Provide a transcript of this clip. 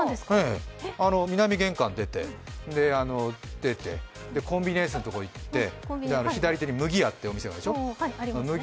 南玄関を出て、で、出て、コンビニエンスのところを行って左手に、むぎやってお店があるでしょ？